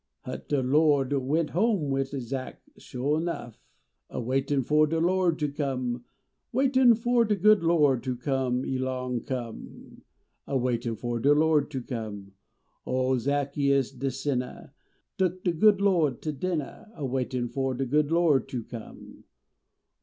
Hut de Lo d went home wid Zach sliuah ennff, A waitin fo de Lo d ter come. Waitin fo de good Lo d ter come elong come, A waitin fo de good Lo d ter come Oh, Zaccheus de sinnah, Took de good Lo d to dinnali A waitin fo de good Lo d ter come.